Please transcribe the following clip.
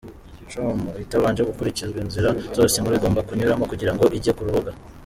com, itabanje gukurikiza inzira zose inkuru igomba kunyuramo kugira ngo ijye ku rubuga.